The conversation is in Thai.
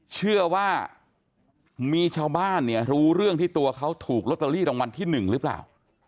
เชื่อว่ามีชาวบ้านเนี่ยรู้เรื่องที่ตัวเขาถูกลอตเตอรี่รางวัลที่๑หรือเปล่า